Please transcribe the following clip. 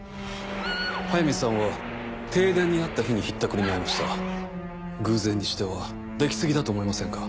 速水さんは停電になった日にひったくりに偶然にしては出来過ぎだと思いませんか？